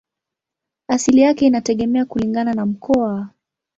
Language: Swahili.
Asili yake inategemea kulingana na mkoa.